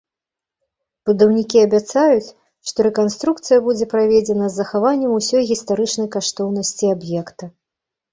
Будаўнікі абяцаюць, што рэканструкцыя будзе праведзена з захаваннем ўсёй гістарычнай каштоўнасці аб'екта.